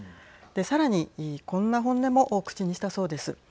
さらにこんな本音も口にしたそうです。